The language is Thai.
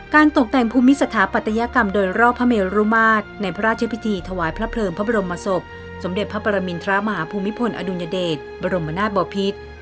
ตกแต่งภูมิสถาปัตยกรรมโดยรอบพระเมรุมาตรในพระราชพิธีถวายพระเพลิงพระบรมศพสมเด็จพระปรมินทรมาฮภูมิพลอดุญเดชบรมนาศบอพิษ